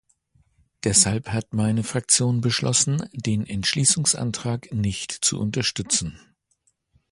Deshalb hat meine Fraktion beschlossen, den Entschließungsantrag nicht zu unterstützen.